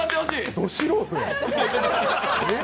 ド素人や。